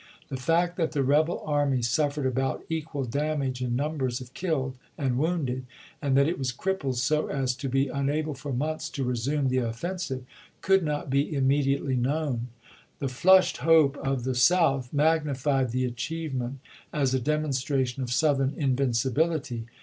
The fact that the rebel army suffered about equal damage in numbers of killed and wounded, and that it was crippled so as to be un able for months to resume the offensive, could not be immediately known. The flushed hope of the South magnified the achievement as a demonstra tion of Southern invincibility.